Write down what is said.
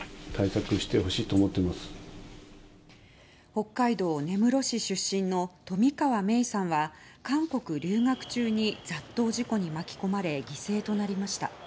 北海道根室市出身の冨川芽生さんは韓国留学中に雑踏事故に巻き込まれ犠牲となりました。